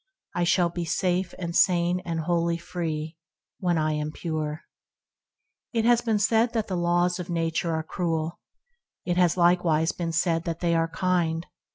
I shall be safe and sane and wholly free When I am pure. FT has been said that the laws of Nature * are cruel; it has likewise been said that they are kind.